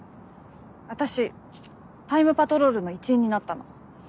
私タイムパトロールの一員になったの。